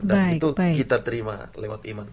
dan itu kita terima lewat iman